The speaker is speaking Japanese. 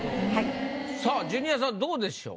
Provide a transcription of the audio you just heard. さあジュニアさんどうでしょう？